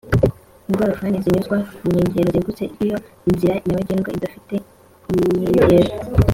Ingorofani zinyuzwa ku nkengero zegutse iyo inzira nyabagendwa idafite inkengero